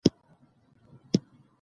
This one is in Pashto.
د چا حق مه خورئ.